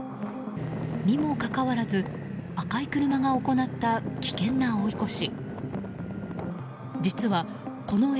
にもかかわらず、赤い車が行った危険な追い越し。